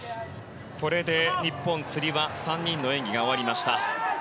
これで日本、つり輪３人の演技が終わりました。